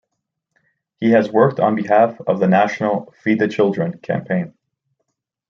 He has worked on behalf of the national "Feed the Children" campaign.